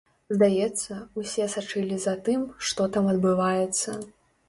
Здаецца, усе сачылі за тым, што там адбываецца.